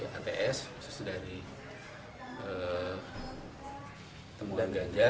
dari ats khusus dari tembuhan ganja